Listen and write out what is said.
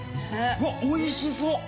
うわっ美味しそう！